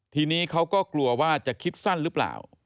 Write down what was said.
ทีนี้เขาก็กลัวว่าจะคิดสั้นหรือเปล่า